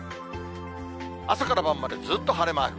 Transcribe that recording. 朝から晩までずっと晴れマーク。